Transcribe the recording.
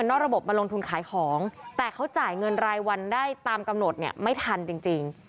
นอกระบบมาลงทุนขายของแต่เขาจ่ายเงินรายวันได้ตามกำหนดเนี่ยไม่ทันจริง